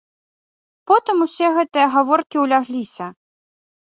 Потым усе гэтыя гаворкі ўлягліся.